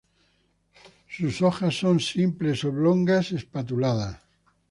Sus hojas son simples, oblongas espatuladas.